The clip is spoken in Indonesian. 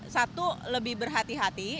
satu lebih berhati hati